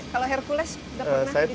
kalau hercules sudah pernah bisa